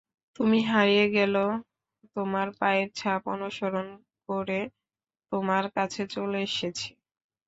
তুমি হারিয়ে গেলেও তোমার পায়ের ছাপ অনুসরণ করে তোমার কাছে চলে এসেছি।